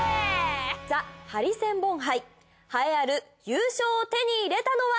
ＴＨＥハリセンボン杯栄えある優勝を手に入れたのは。